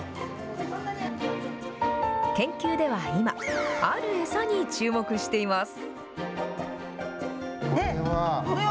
研究では今、ある餌に注目しています。